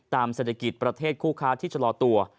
เศรษฐกิจประเทศคู่ค้าที่ชะลอตัว